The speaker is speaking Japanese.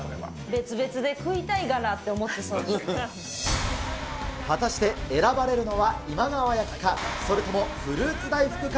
別々で食いたいがなって思っ果たして、選ばれるのは今川焼きか、それともフルーツ大福か。